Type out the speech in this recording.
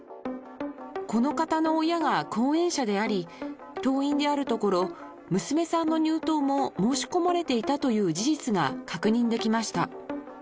この方の親が後援者であり、党員であるところ、娘さんの入党も申し込まれていたという事実が確認できました。